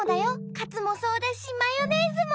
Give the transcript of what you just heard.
カツもそうだしマヨネーズも。